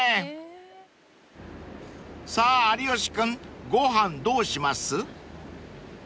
［さあ有吉君ご飯どうします？］